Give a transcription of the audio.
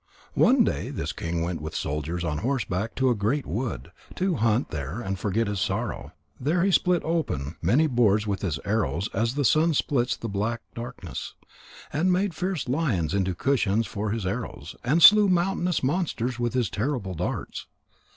One day this king went with soldiers on horseback into a great wood, to hunt there and forget his sorrow. There he split open many boars with his arrows as the sun splits the black darkness, and made fierce lions into cushions for his arrows, and slew mountainous monsters with his terrible darts.